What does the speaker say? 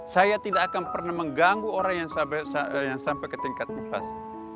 saya tidak akan pernah mengganggu orang yang sampai ke tingkat kupas